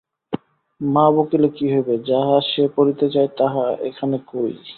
মা বকিলে কি হইবে, যাহা সে পড়িতে চায়, তাহা এখানে কই?